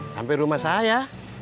sampe rumah saya